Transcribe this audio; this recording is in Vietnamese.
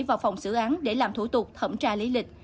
vào phòng xử án để làm thủ tục thẩm tra lý lịch